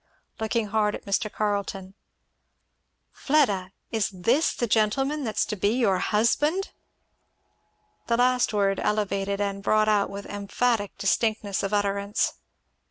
Looking hard at Mr. Carleton, "Fleda! Is this the gentleman that's to be your husband?" The last word elevated and brought out with emphatic distinctness of utterance.